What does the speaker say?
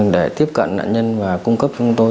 để tiếp cận nạn nhân và cung cấp cho chúng tôi